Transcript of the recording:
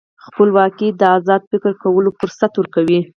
خپلواکي د ازاد فکر کولو فرصت ورکوي.